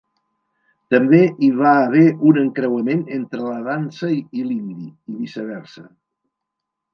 També hi va haver un encreuament entre la dansa i l'indi, i viceversa.